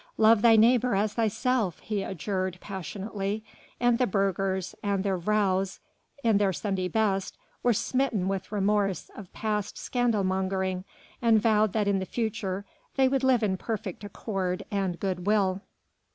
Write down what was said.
"Love thy neighbour as thyself," he adjured passionately, and the burghers, with their vrouws in their Sunday best, were smitten with remorse of past scandal mongering, and vowed that in the future they would live in perfect accord and good will.